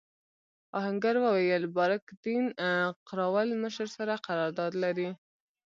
آهنګر وویل بارک دین قراوول مشر سره قرارداد لري.